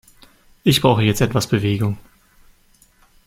Ich brauche jetzt etwas Bewegung.